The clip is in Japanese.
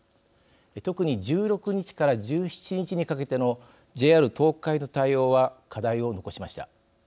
特に１６日から１７日にかけてのＪＲ東海の対応は課題を残しました。